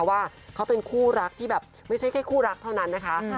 ว่าเขาเป็นคู่รักที่แบบไม่ใช่แค่คู่รักเท่านั้นนะคะ